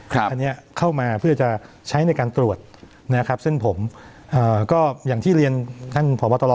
อันนี้เข้ามาเพื่อจะใช้ในการตรวจนะครับเส้นผมก็อย่างที่เรียนท่านผอบตร